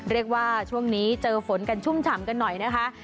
เรียกว่าช่วงนี้เจอฝนกันชุ่มฉ่ำกันหน่อยนะคะ